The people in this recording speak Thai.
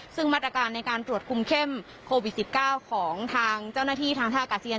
ซึ่งมาตรการในการตรวจคุมเข้มโควิด๑๙ของทางเจ้าหน้าที่ทางท่ากาศยาน